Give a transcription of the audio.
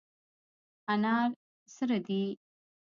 انار سره دي.